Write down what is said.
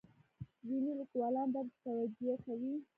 ځینې لیکوالان درد توجیه کوي.